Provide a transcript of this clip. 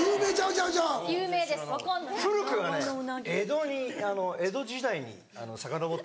古くはね江戸に江戸時代にさかのぼっていくんだけど。